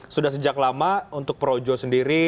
sudah sejak lama untuk projo sendiri